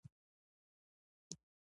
مشکل کار دی رغول د شکستو